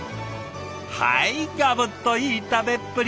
はいガブッといい食べっぷり！